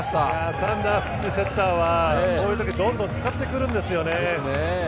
サンダーズというセッターはこういう時にどんどん使ってくるんですよね。